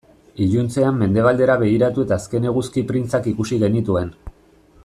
Iluntzean mendebaldera begiratu eta azken eguzki printzak ikusi genituen.